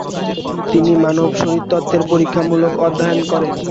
তিনি মানব শারীরতত্ত্বের পরীক্ষামূলক অধ্যয়ন করেন।